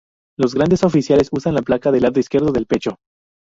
Los Grandes Oficiales usan la placa del lado izquierdo del pecho.